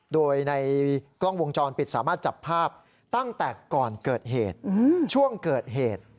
โดยในกล้องวงจรปิดสามารถจับภาพตั้งแต่ก่อนเกิดเหตุช่วงเกิดเหตุ